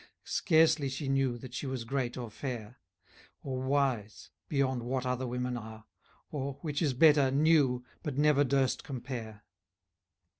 Scarcely she knew that she was great, or fair, } Or wise, beyond what other women are, } Or, which is better, knew, but never durst compare.